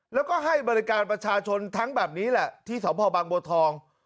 แล้วก็ให้บริการประชาชนทั้งแบบนี้แหละที่สพบางบัวทอง